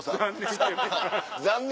残念。